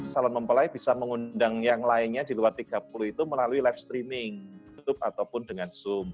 salon mempelai bisa mengundang yang lainnya di luar tiga puluh itu melalui live streaming youtube ataupun dengan zoom